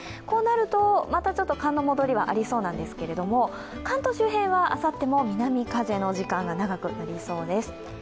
こうなると、またちょっと寒の戻りはありそうなんですけれども、関東周辺は、あさっても南風の時間が長くなりそうです。